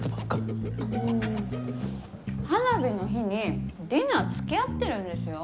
花火の日にディナー付き合ってるんですよ？